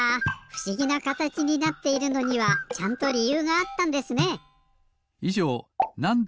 ふしぎなかたちになっているのにはちゃんとりゆうがあったんですね。